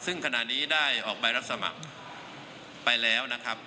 ซึ่งขณะนี้ได้ออกใบรับสมัครไปแล้วนะครับ